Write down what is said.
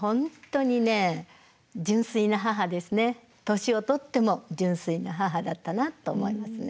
年を取っても純粋な母だったなと思いますね。